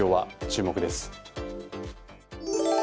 注目です。